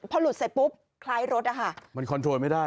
พอหลุดเสร็จปุ๊บคล้ายรถอะค่ะมันคอนโทรไม่ได้